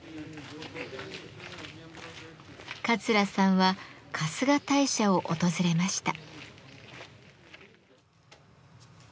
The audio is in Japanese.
桂さんは春日大社を訪れました。